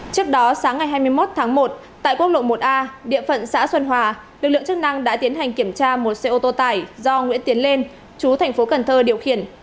trước đó sáng ngày hai mươi một tháng một tại quốc lộ một a địa phận xã xuân hòa lực lượng chức năng đã tiến hành kiểm tra một xe ô tô tải do nguyễn tiến lên chú thành phố cần thơ điều khiển